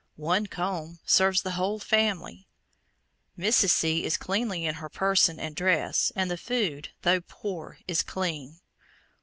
One comb serves the whole family. Mrs. C. is cleanly in her person and dress, and the food, though poor, is clean.